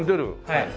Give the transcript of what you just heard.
はい。